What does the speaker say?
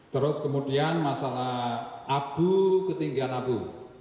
terus kemudian masalah abu ketinggian abu